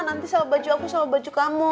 nanti sama baju aku sama baju kamu